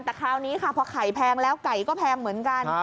แต่คราวนี้ค่ะพอไข่แพงแล้วไก่ก็แพงเหมือนกัน